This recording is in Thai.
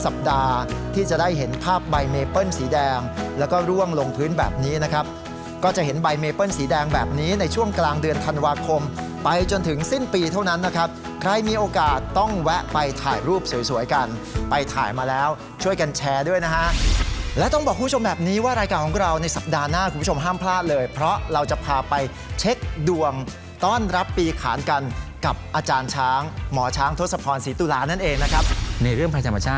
ใบไม้เปิ้ลสีแดงแล้วก็ร่วงลงพื้นแบบนี้นะครับก็จะเห็นใบไม้เปิ้ลสีแดงแบบนี้ในช่วงกลางเดือนธันวาคมไปจนถึงสิ้นปีเท่านั้นนะครับใครมีโอกาสต้องแวะไปถ่ายรูปสวยกันไปถ่ายมาแล้วช่วยกันแชร์ด้วยนะฮะแล้วต้องบอกคุณผู้ชมแบบนี้ว่ารายการของเราในสัปดาห์หน้าคุณผู้ชมห้ามพลาดเลยเพราะเราจะพาไปเช